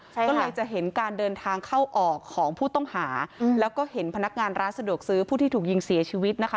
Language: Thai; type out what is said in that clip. ก็เลยจะเห็นการเดินทางเข้าออกของผู้ต้องหาแล้วก็เห็นพนักงานร้านสะดวกซื้อผู้ที่ถูกยิงเสียชีวิตนะคะ